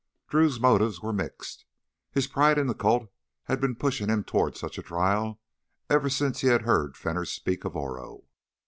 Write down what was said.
Drew's motives were mixed. His pride in the colt had been pushing him toward such a trial ever since he had heard Fenner speak of Oro.